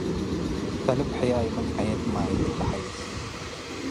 ከልብ ሕያይ ምን ሐየት ማይት ለሐይስ።